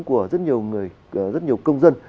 của rất nhiều công dân